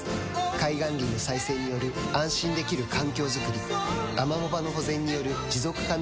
海岸林の再生による安心できる環境づくりアマモ場の保全による持続可能な海づくり